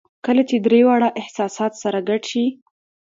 کله چې درې واړه احساسات سره ګډ شي